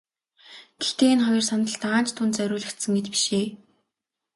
Гэхдээ энэ хоёр сандал даанч түүнд зориулагдсан эд биш ээ.